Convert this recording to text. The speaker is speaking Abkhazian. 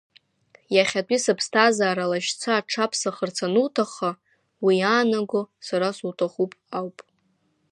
Иахьатәи сыԥсҭазаара лашьца аҽаԥсахырц ануҭахха, уи иаанаго сара суҭахуп ауп.